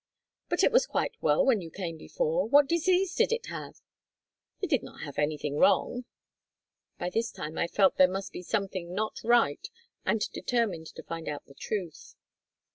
"But it was quite well when you came before. What disease did it have?" "It did not have anything wrong." By this time I felt there must be something not right and determined to find out the truth.